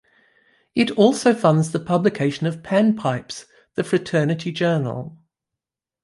It also funds the publication of Pan Pipes, the fraternity journal.